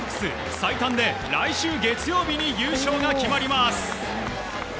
最短で来週月曜日に優勝が決まります。